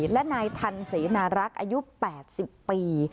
และนายทันเสนารักษ์อายุ๘๐ปี